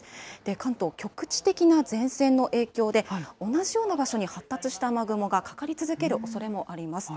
関東、局地的な前線の影響で、同じような場所に発達した雨雲がかかり続けるおそれもあります。